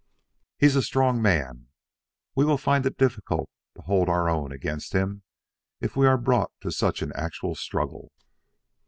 "He's a strong man. We shall find it difficult to hold our own against him if we are brought to an actual struggle."